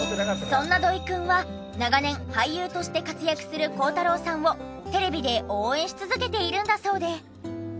そんな土井くんは長年俳優として活躍する孝太郎さんをテレビで応援し続けているんだそうで。